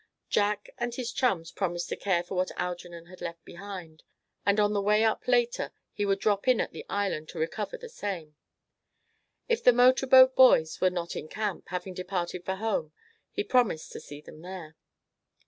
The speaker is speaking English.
Jack and his chums promised to care for what Algernon had left behind; and on the way up later he would drop in at the island to recover the same. If the motor boat boys were not in camp, having departed for home, he promised to see them there.